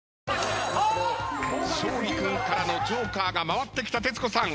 勝利君からのジョーカーが回ってきた徹子さん。